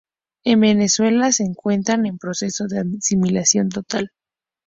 En Venezuela se encuentran en proceso de asimilación total.